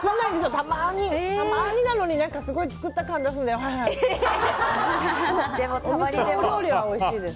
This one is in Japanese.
たまーになのにすごい作った感出すんです。